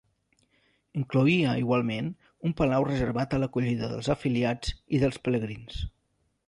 Incloïa igualment un palau reservat a l'acollida dels afiliats i dels pelegrins.